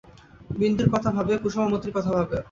বিন্দুর কথা ভাবে, কুসুম ও মতির কথা ভাবে।